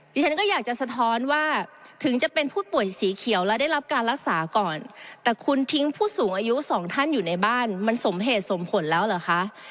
ดิฉันก็อยากจะสะท้อนว่าถึงจะเป็นผู้ป่วยสีเขียวและได้รับการรักษาก่อนแต่คุณทิ้งผู้สูงอายุสองท่านอยู่ในบ้านมันสมเหตุสมผลแล้วเหรอคะ